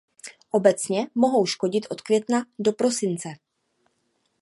Obecně mohou škodit od května do prosince.